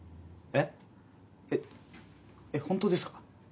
えっ本当ですか？